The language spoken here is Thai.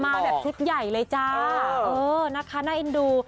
มาแบบชุดใหญ่เลยจ้าเออนะคะน่าเอ็นดู